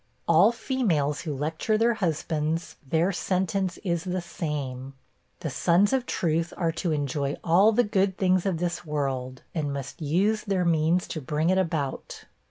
All females who lecture their husbands, their sentence is the same. The sons of truth are to enjoy all the good things of this world, and must use their means to bring it about.